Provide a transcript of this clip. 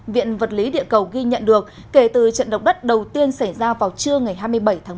viện vật lý địa cầu ghi nhận được kể từ trận động đất đầu tiên xảy ra vào trưa ngày hai mươi bảy tháng một